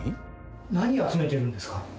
何を集めてるんですか？